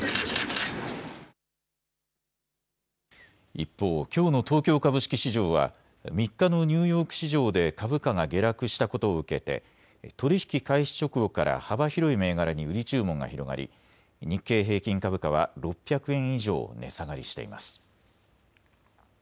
一方、きょうの東京株式市場は３日のニューヨーク市場で株価が下落したことを受けて取り引き開始直後から幅広い銘柄に売り注文が広がり日経平均株価は６００円以上値下がりしています。